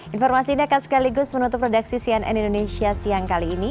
informasi ini akan sekaligus menutup redaksi cnn indonesia siang kali ini